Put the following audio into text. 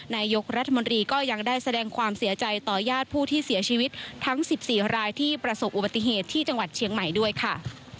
นายกรัฐมนตรีก็ยังได้แสดงความเสียใจต่อญาติผู้ที่เสียชีวิตทั้ง๑๔รายที่ประสบอุบัติเหตุที่จังหวัดเชียงใหม่ด้วยค่ะ